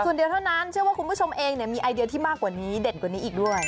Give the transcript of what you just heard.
ส่วนเดียวเท่านั้นเชื่อว่าคุณผู้ชมเองเนี่ยมีไอเดียที่มากกว่านี้เด่นกว่านี้อีกด้วย